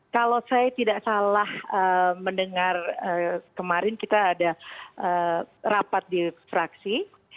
kalau saya tidak salah mendengar kemarin kita ada rapat di fraksi